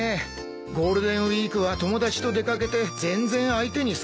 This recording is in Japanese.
ゴールデンウィークは友達と出掛けて全然相手にされないよ。